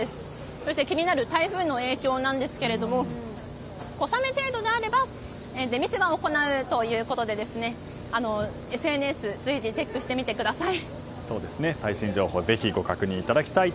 そして気になる台風の影響なんですけども小雨程度であれば出店は行うということでＳＮＳ随時チェックしてみてください。